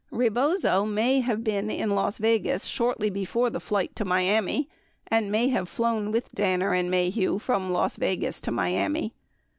Rebozo may have been in Las Vegas shortly before the flight to Miami and may have flown with Danner and Maheu from Las Vegas to Miami.